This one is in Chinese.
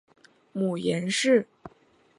母颜氏。